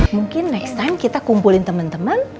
mungkin next time kita kumpulin temen temen